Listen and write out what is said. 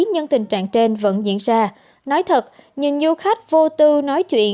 nhưng tình trạng trên vẫn diễn ra nói thật nhiều du khách vô tư nói chuyện